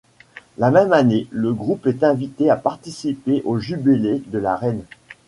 La même année, le groupe est invité à participer au Jubilé de la Reine.